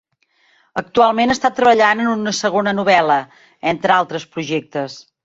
Actualment està treballant en una segona novel·la, entre altres projectes.